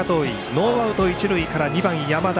ノーアウト、一塁から２番、山田